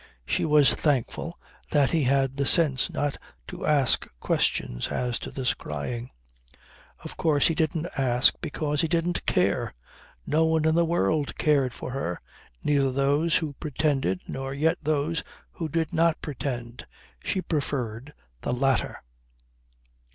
She was thankful that he had the sense not to ask questions as to this crying. Of course he didn't ask because he didn't care. No one in the world cared for her, neither those who pretended nor yet those who did not pretend. She preferred the latter.